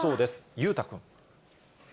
裕太君。